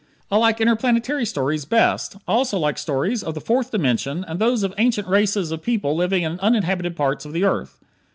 I like interplanetary stories best. I also like stories of the Fourth Dimension and those of ancient races of people living in uninhabited parts of the earth.